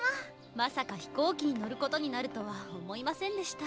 まさか飛行機に乗る事になるとは思いませんでした。